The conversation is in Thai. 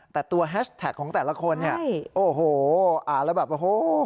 แต่ตัวแฮชแท็กของแต่ละคนเนี่ยโอ้โหอ่านแล้วแบบโอ้โห